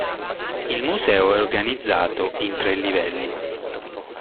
Il museo è organizzato in tre livelli.